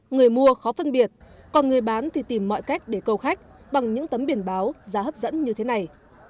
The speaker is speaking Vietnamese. người mua khó phân biệt còn người bán thì tìm mọi cách để câu khách bằng những tấm biển báo giá hấp dẫn như thế này